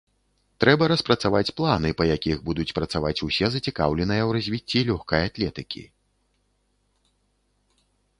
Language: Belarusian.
Трэба распрацаваць планы, па якіх будуць працаваць усе, зацікаўленыя ў развіцці лёгкай атлетыкі.